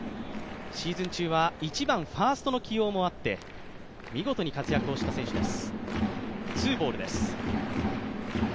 シーズン中は１番・ファーストの起用もあって見事に活躍をした選手です。